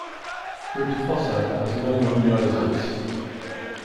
"Fruitafossor" has no modern relatives.